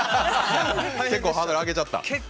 結構ハードルあげちゃった。